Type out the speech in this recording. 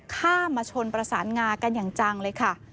ข้ามมาชนประสานงากันอย่างจังเลยค่ะ